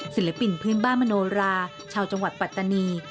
ศิลปินพื้นบ้านมโนราชาวจังหวัดปัตตานี